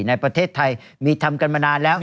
ในประเทศไทยมีทำกันมานานแล้ว